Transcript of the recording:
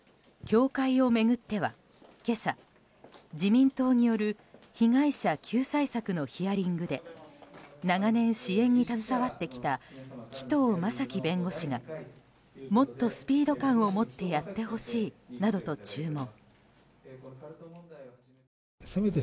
教会を巡っては今朝、自民党による被害者救済策のヒアリングで長年、支援に携わってきた紀藤正樹弁護士がもっとスピード感を持ってやってほしいなどと注文。